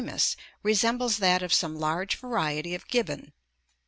ramus resembles that of some large variety of gib bon.